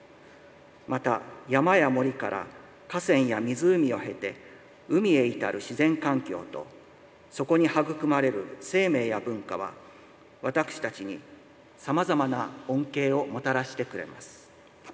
また、山や森から河川や湖を経て海へ至る自然環境とそこに育まれる生命や文化は私たちにさまざまな恩恵をもたらしてくれます。